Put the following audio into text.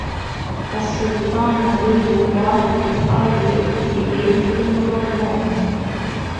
السُّلْطَانُ ظِلُّ اللَّهِ فِي الْأَرْضِ يَأْوِي إلَيْهِ كُلُّ مَظْلُومٍ